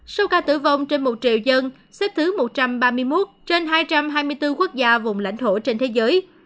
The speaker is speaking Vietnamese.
số ca tử vong trên một triệu dân xếp thứ một trăm ba mươi một trên hai trăm hai mươi bốn quốc gia vùng lãnh thổ trên thế giới